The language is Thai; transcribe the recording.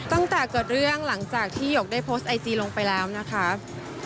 ตั้งแต่เกิดเรื่องหลังจากที่หยกได้โพสต์ไอจีลงไปแล้วนะคะ